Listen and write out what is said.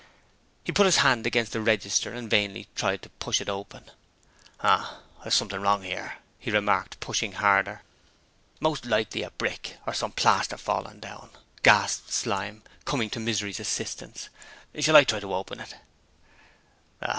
He put his hand against the register and vainly tried to push it open. 'H'm, there's something wrong 'ere,' he remarked, pushing harder. 'Most likely a brick or some plaster fallen down,' gasped Slyme, coming to Misery's assistance. 'Shall I try to open it?'